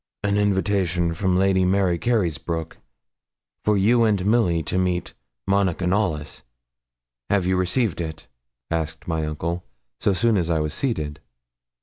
'An invitation from Lady Mary Carysbroke for you and Milly to meet Monica Knollys; have you received it?' asked my uncle, so soon as I was seated.